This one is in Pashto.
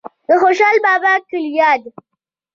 د خوشال بابا کلیات